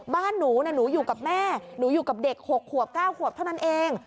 บ้านหนูหนูอยู่กับแม่หนูอยู่กับเด็ก๖ขวบ๙ขวบเท่านั้นเอง